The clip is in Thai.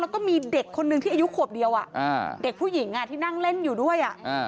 แล้วก็มีเด็กคนนึงที่อายุขวบเดียวเด็กผู้หญิงที่นั่งเล่นอยู่ด้วย